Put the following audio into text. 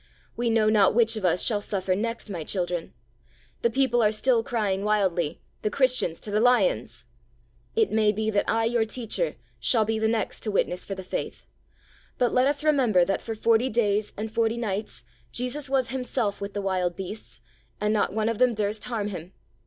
We know not which of us shall suffer next, my children. The people are still crying wildly, "The Christians to the lions!" It may be that I, your teacher, shall be the next to witness for the faith. But let us remember that for forty days and forty nights Jesus was Himself with the wild beasts, and not one of them durst harm Him.